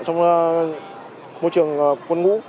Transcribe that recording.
trong môi trường quân ngũ